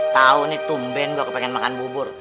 tau nih tumben gue pengen makan bubur